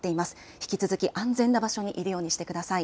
引き続き安全な場所にいるようにしてください。